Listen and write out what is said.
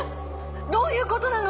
どういうことなの？